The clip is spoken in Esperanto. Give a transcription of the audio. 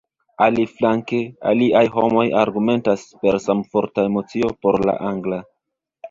Aliaflanke, aliaj homoj argumentas, per samforta emocio, por la angla.